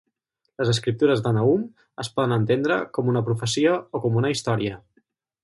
Les escriptures de Nahum es poden entendre com una profecia o com una història.